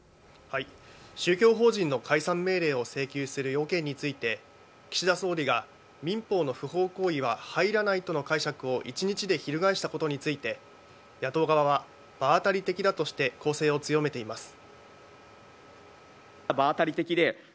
宗教法人の解散命令を請求する要件について岸田総理が民法の不法行為は入らないとの解釈を１日で翻したことについて野党側は場当たり的だとして攻勢を強めています。